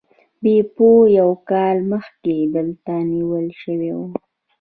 بیپو یو کال مخکې دلته نیول شوی و.